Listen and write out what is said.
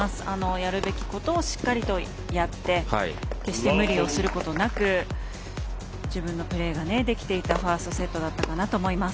やるべきことをしっかりとやって決して無理をすることなく自分のプレーができていたファーストセットだったと思います。